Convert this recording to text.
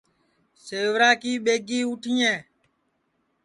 سیورا کی ٻیگی اُٹھیں